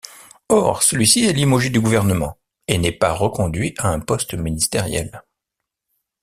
Or, celui-ci est limogé du gouvernement et n'est pas reconduit à un poste ministériel.